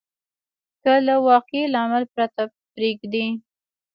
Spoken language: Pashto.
که له واقعي لامل پرته پرېږدي.